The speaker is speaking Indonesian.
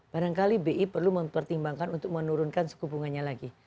barangkali bi perlu mempertimbangkan untuk menurunkan suku bunganya lagi